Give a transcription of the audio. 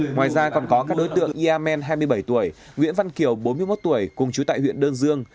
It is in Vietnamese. ngoài ra còn có các đối tượng yê a men hai mươi bảy tuổi nguyễn văn kiều bốn mươi một tuổi cùng chú tại huyện đơn dương